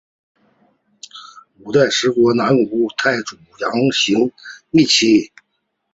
五代十国南吴太祖杨行密妻。